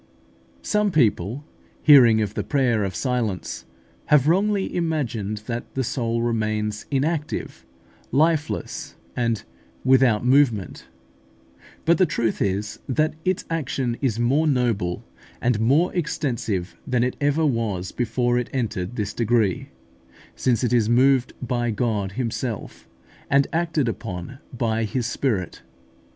Some people, hearing of the prayer of silence, have wrongly imagined that the soul remains inactive, lifeless, and without movement. But the truth is, that its action is more noble and more extensive than it ever was before it entered this degree, since it is moved by God Himself, and acted upon by His Spirit.